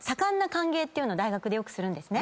大学でよくするんですね。